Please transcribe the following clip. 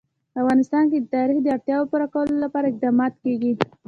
په افغانستان کې د تاریخ د اړتیاوو پوره کولو لپاره اقدامات کېږي.